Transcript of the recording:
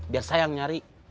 biar saya yang nyari